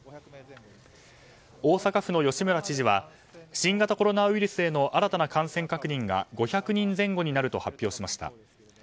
大阪府の吉村知事は新型コロナウイルスへの新たな感染確認が５００人前後になると発表しました。